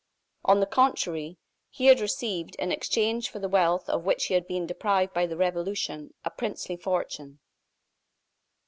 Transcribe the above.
On the contrary, he had received, in exchange for the wealth of which he had been deprived by the revolution, a princely fortune.